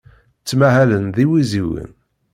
Ttmahalen d iwiziwen.